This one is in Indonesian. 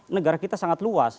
negara kita sangat luas